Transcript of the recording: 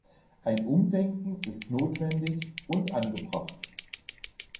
Ein Umdenken ist notwendig und angebracht.